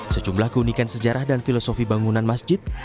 sejumlah keunikan sejarah dan filosofi bangunan masjid